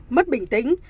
mất bình tĩnh